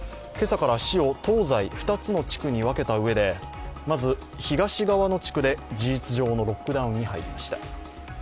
今朝から市を東西２つの地区に分けたうえで、まず東側の地区で事実上のロックダウンに入りました。